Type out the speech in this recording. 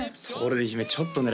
今ちょっとね